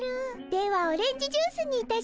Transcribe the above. ではオレンジジュースにいたしましょう。